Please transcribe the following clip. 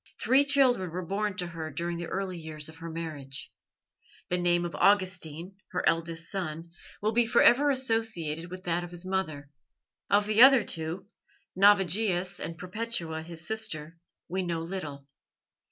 Three children were born to her during the early years of her marriage. The name of Augustine, her eldest son, will be for ever associated with that of his mother. Of the other two, Navigius and Perpetua his sister, we know little.